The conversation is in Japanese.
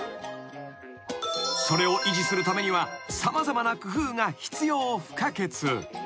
［それを維持するためには様々な工夫が必要不可欠］